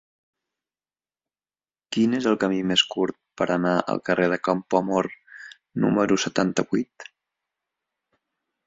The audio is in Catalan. Quin és el camí més curt per anar al carrer de Campoamor número setanta-vuit?